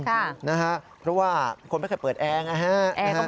เพราะว่าคนไม่เคยเปิดแอร์